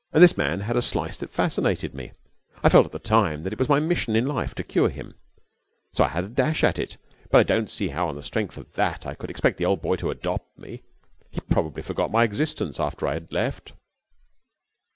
And this man had a slice that fascinated me. I felt at the time that it was my mission in life to cure him, so I had a dash at it. But I don't see how on the strength of that I could expect the old boy to adopt me. He probably forgot my existence after I had left.'